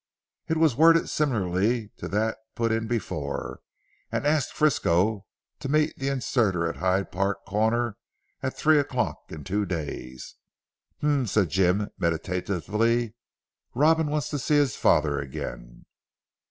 It was worded similarly to that put in before, and asked Frisco to meet the inserter at Hyde Park Corner at three o'clock in two days. "Humph!" said Jim meditatively, "Robin wants to see his father again!"